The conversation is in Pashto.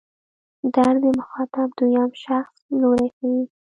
در د مخاطب دویم شخص لوری ښيي.